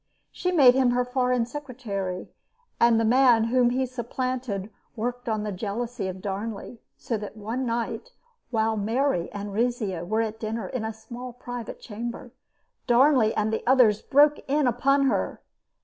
She made him her foreign secretary, and the man whom he supplanted worked on the jealousy of Darnley; so that one night, while Mary and Rizzio were at dinner in a small private chamber, Darnley and the others broke in upon her.